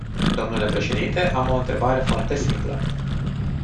Dle președinte, am o întrebare foarte simplă.